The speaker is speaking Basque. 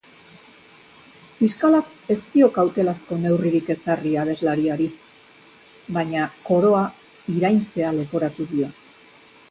Fiskalak ez dio kautelazko neurririk ezarri abeslariari, baina koroa iraintzea leporatu dio.